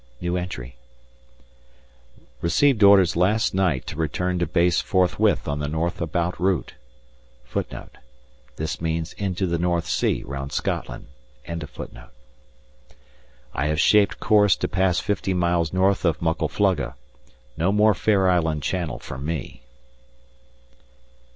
Received orders last night to return to base forthwith on the north about route. [Footnote 1: This means into the North Sea round Scotland. ] I have shaped course to pass fifty miles north of Muckle Flugga; no more Fair Island Channel for me.